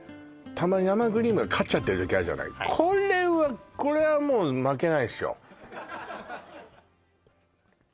たまに生クリームが勝っちゃってる時あるじゃないこれはこれはもう負けないっすよ